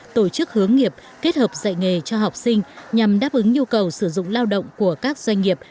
tổ chức hướng nghiệp kết hợp dạy nghề cho học sinh nhằm đáp ứng nhu cầu sử dụng lao động của các doanh nghiệp